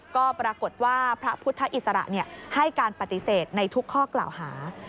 ก็ปรากฏว่าพระพุทธอิสระให้การปฏิเสธในทุกข้อกล่าวหา